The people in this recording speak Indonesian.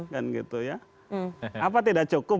kan gitu ya apa tidak cukup